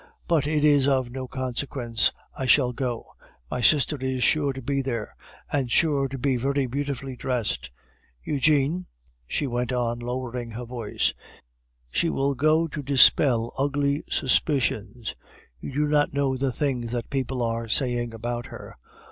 But it is of no consequence, I shall go. My sister is sure to be there, and sure to be very beautifully dressed. Eugene," she went on, lowering her voice, "she will go to dispel ugly suspicions. You do not know the things that people are saying about her.